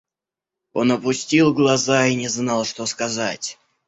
Он опустил глаза и не знал, что сказать.